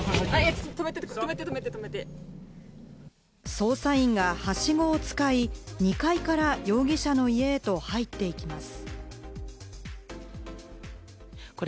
捜査員がはしごを使い、２階から容疑者の家へと入っていきます。